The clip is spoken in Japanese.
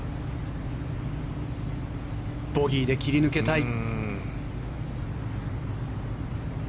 ボギーで切り抜けたい。